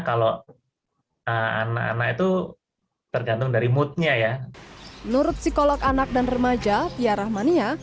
kalau anak anak itu tergantung dari moodnya ya menurut psikolog anak dan remaja tiara mania